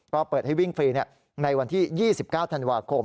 ก็เปิดให้วิ่งฟรีในวันที่๒๙ธันวาคม